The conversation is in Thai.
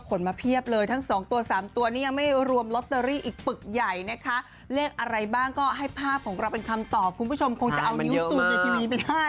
คุณผู้ชมคงจะเอานิวสูตรในทีวีไปได้ดิฉันเข้าใจ